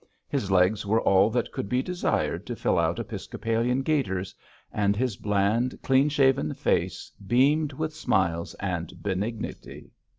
His legs were all that could be desired to fill out episcopalian gaiters; and his bland, clean shaven face beamed with smiles and benignity.